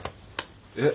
えっ？